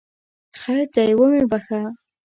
خیر دی ومې بخښه!